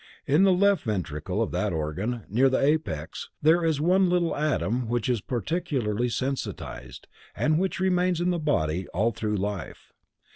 In the left ventricle of that organ, near the apex, there is one little atom which is particularly sensitized, and which remains in the body all through life.